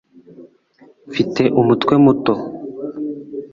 mfite umutwe muto